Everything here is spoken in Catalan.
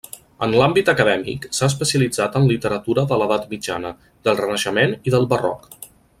En l’àmbit acadèmic, s’ha especialitzat en literatura de l’Edat Mitjana, del Renaixement i del Barroc.